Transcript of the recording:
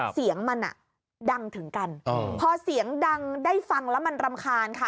เสียงมันอ่ะดังถึงกันพอเสียงดังได้ฟังแล้วมันรำคาญค่ะ